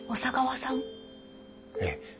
ええ。